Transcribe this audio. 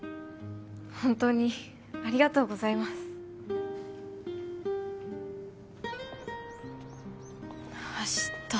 ホントにありがとうございます明日